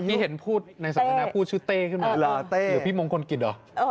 พี่เห็นพูดชื่อเต้ขึ้นมาแล้วนะฯเต้หรือพี่มงคลกฤตเหรอ